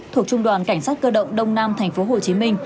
thuộc trung đoàn cảnh sát cơ động đông nam tp hcm